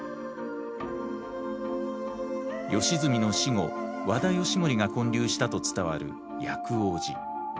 義澄の死後和田義盛が建立したと伝わる薬王寺。